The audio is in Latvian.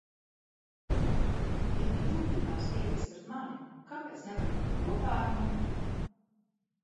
Ja tu jūti tās lietas pret mani, kāpēc nevari būt kopā ar mani?